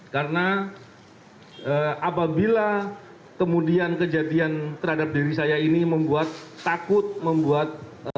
karena apabila kemudian kejadian terhadap diri saya ini membuat takut membuat